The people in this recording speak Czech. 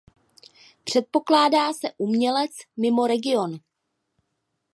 Předpokládá se umělec mimo region.